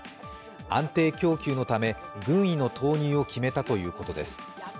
安定供給のため、軍医の投入を決めたということです。